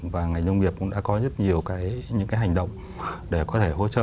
và ngành nông nghiệp cũng đã có rất nhiều những cái hành động để có thể hỗ trợ